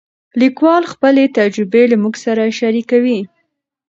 لیکوال خپلې تجربې له موږ سره شریکوي.